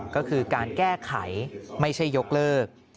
ก็คือการแก้ไขไม่ใช่ยกเลิก